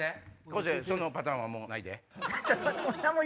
昴生そのパターンはもうないで。